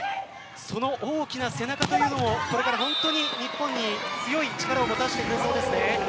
その大きな背中というのを本当に日本に強い力をもたらしてくれそうですね。